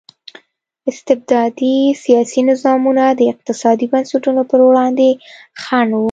استبدادي سیاسي نظامونه د اقتصادي بنسټونو پر وړاندې خنډ وو.